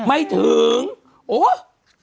ไม่ถึงโอ๊ย